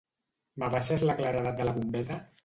M'abaixes la claredat de la bombeta?